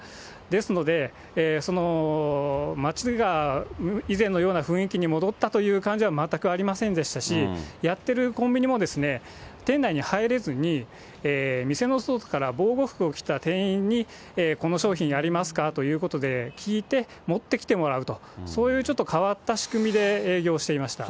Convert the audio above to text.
ですので、その街が以前のような雰囲気に戻ったという感じは全くありませんでしたし、やってるコンビニも、店内に入れずに、店の外から防護服を着た店員にこの商品ありますかということで、聞いて、持ってきてもらうと、そういうちょっと変わった仕組みで営業していました。